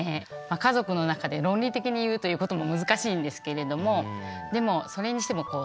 家族の中で論理的に言うということも難しいんですけれどもでもそれにしても例えばですね